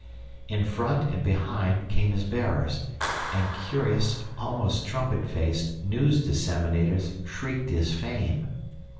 In front and behind came his bearers, and curious, almost trumpet faced, news disseminators shrieked his fame.